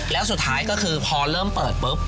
แล้วสุดท้ายก็คือพอเริ่มเปิดปุ๊บ